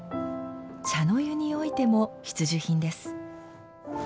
茶の湯においても必需品です。